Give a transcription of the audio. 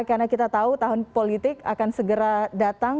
karena kita tahu tahun politik akan segera datang